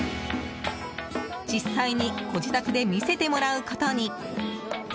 実際にご自宅で見せてもらうことに。